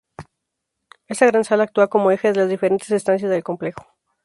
Esta gran sala actúa como eje de las diferentes estancias del complejo.